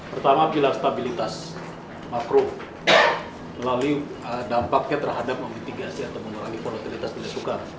pertama pilar stabilitas makro melalui dampaknya terhadap memitigasi atau mengurangi produktivitas bela soekarno